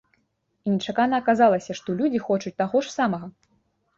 І нечакана аказалася, што людзі хочуць таго ж самага!